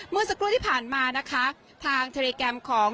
เมื่อสักครู่ที่ผ่านมานะคะทางเทรแกรมของ